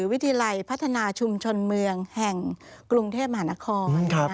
วิทยาลัยพัฒนาชุมชนเมืองแห่งกรุงเทพมหานคร